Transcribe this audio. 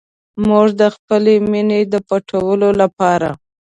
موږ د خپلې مینې د پټولو لپاره.